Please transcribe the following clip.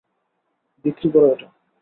বিক্রি করো এটা।